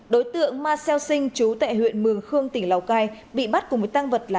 đối tượng marcel sinh chú tại huyện mường khương tỉnh lào cai bị bắt cùng với tăng vật là